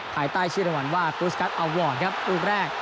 ภายใต้ชื่อรางวัลว่าตุสกัสอัลวอร์ดครับลูกแรก